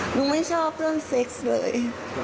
ไม่ชอบเรื่องเซ็กซ์เลย